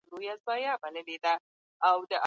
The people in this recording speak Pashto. تاسو کولای شئ نوي مهارتونه په ډېره اسانۍ سره زده کړئ.